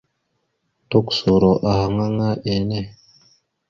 Tukəsoro ahaŋ aŋa enne.